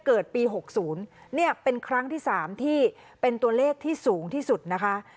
เกิดปี๖๐เนี่ยเป็นครั้งที่๓ที่เป็นตัวเลขที่สูงที่สุดนะคะ